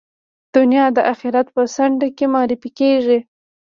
دنیا د آخرت په څنډه کې معرفي کېږي.